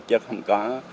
chứ không có